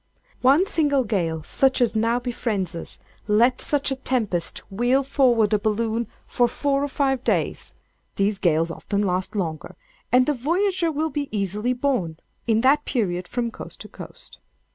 One single gale such as now befriends us—let such a tempest whirl forward a balloon for four or five days (these gales often last longer) and the voyager will be easily borne, in that period, from coast to coast.